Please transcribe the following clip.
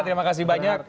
terima kasih banyak